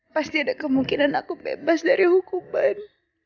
pasti ada kemungkinan aku bebas dari hukuman